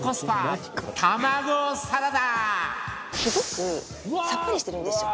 すごくサッパリしてるんですよ。